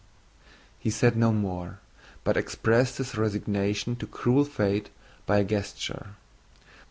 He said no more, but expressed his resignation to cruel fate by a gesture.